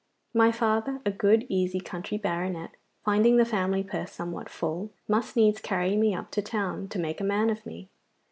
My father, a good, easy country baronet, finding the family purse somewhat full, must needs carry me up to town to make a man of me.